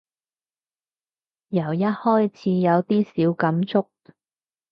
由一開始有啲小感觸